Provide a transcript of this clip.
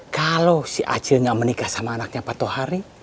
kalo si acil gak menikah sama anaknya pak tohari